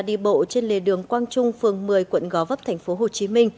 đi bộ trên lề đường quang trung phường một mươi quận gó vấp tp hcm